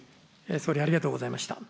総理ありがとうございました。